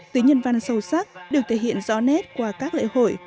tuy nhiên văn sâu sắc được thể hiện rõ nét qua các lễ hội